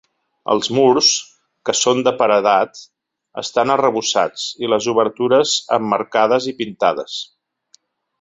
Els murs, que són de paredat, estan arrebossats i les obertures emmarcades i pintades.